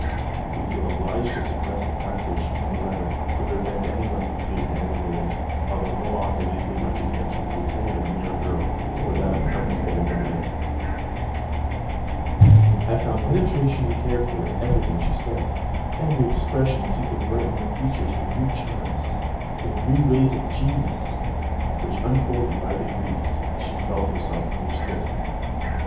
(We feel obliged to suppress the passage in the letter, to prevent any one from feeling aggrieved; although no author need pay much attention to the opinion of a mere girl, or that of an unsteady young man.) I found penetration and character in everything she said: every expression seemed to brighten her features with new charms, with new rays of genius, which unfolded by degrees, as she felt herself understood.